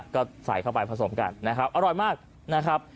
ก็ใส่เข้าไปผสมกันนะครับอร่อยมากนะครับ